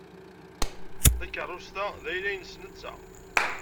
Takeṛṛust-a d ayla-nnes netta.